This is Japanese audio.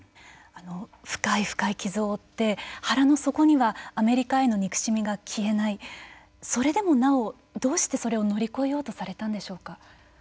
深い深い傷を負って腹の底にはアメリカへの憎しみが消えないそれでもなおどうしてそれを乗り越えようとされたんでしょうか。